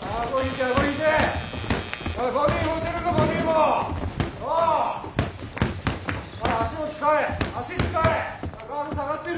ガード下がってる！